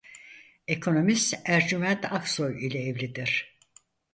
Ekonomist Ercüment Aksoy ile evlidir.